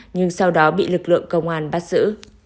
nhưng sau đó bị lực lượng công an bắt giữ